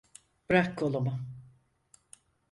Bırak kolumu.